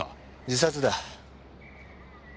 自殺だ。